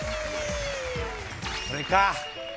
これか。